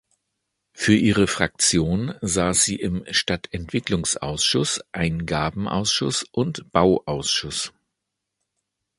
Für ihre Fraktion saß sie im Stadtentwicklungsausschuss, Eingabenausschuss und Bauausschuss.